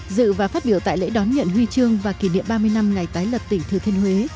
dự và phát biểu tại lễ đón nhận huy chương và kỷ niệm ba mươi năm ngày tái lập tỉnh thừa thiên huế